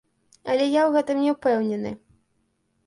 Але я ў гэтым не ўпэўнены.